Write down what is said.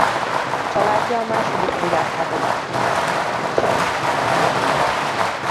Családja a második világháború alatt vándorolt ki Svédországba.